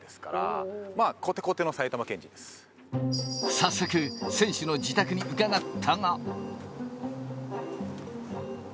早速、選手の自宅に伺ったが。